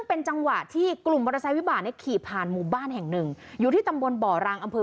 มันเป็นเหตุการณ์ตอนที่มอเตอร์ไซค์วิบากคุณผู้ชมเห็นแล้วแหละ